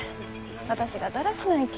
私がだらしないき。